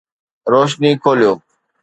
روشني کوليو